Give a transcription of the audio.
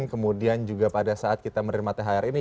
kemudian juga pada saat kita menerima thr ini